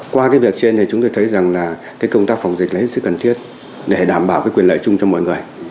qua việc trên chúng tôi thấy công tác phòng dịch là hết sức cần thiết để đảm bảo quyền lợi chung cho mọi người